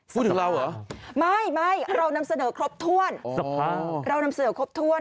พูดถึงเราเหรอไม่เรานำเสนอครบถ้วน